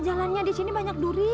jalannya di sini banyak duri